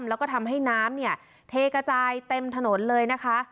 แล้วก็ทำให้น้ำเนี่ยเทกระจายเต็มถนนเลยนะคะ